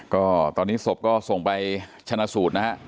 ก็ตอนนี้ศพก็ส่งไปชนะสูตรนะฮะ